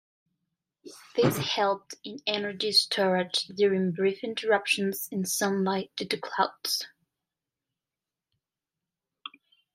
This helped in energy storage during brief interruptions in sunlight due to clouds.